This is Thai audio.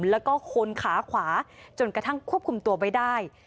แล้วก็คนขาขวาจนกระทั่งควบคุมตัวไว้ได้